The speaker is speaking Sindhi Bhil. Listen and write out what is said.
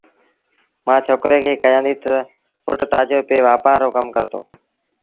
مآ ڇوڪري کي ڪهيآݩديٚ تا پُٽ تآجو پي تا وآپآر رو ڪم ڪرتو